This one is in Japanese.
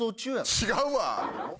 違うわ。